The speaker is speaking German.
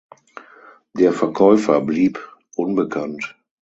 Der Verkäufer blieb unbekannt.